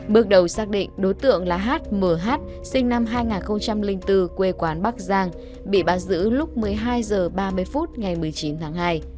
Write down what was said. bước đầu xác định đối tượng là h m h sinh năm hai nghìn bốn quê quán bắc giang bị bắt giữ lúc một mươi hai giờ ba mươi phút ngày một mươi chín tháng hai